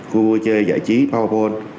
cua chơi giải trí powerball